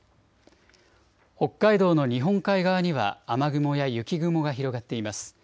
北海道の日本海側には雨雲や雪雲が広がっています。